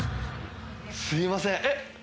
すいません。